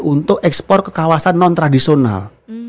untuk ekspor ke kawasan non tradisional